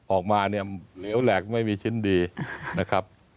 ออกมาเนี่ยเหลวแหลกไม่มีชิ้นดีนะครับ